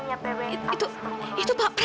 mengapa bukti ini terdengar tuha tuha nek